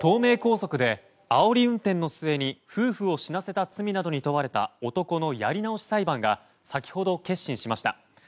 東名高速であおり運転の末に夫婦を死なせた罪などに問われた男のやり直し裁判が先ほど結審しました。